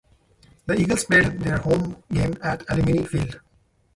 The Eagles played their home games at Alumni Field.